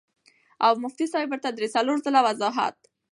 او مفتي صېب ورته درې څلور ځله وضاحت